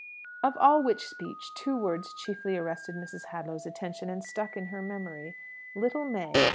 Of all which speech, two words chiefly arrested Mrs. Hadlow's attention and stuck in her memory "little May."